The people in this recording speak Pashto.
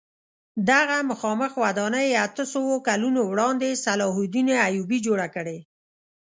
دغه مخامخ ودانۍ اتو سوو کلونو وړاندې صلاح الدین ایوبي جوړه کړې.